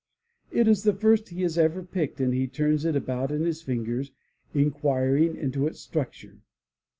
It is the first he has ever picked and he turns it about in his fingers inquiring into its structure.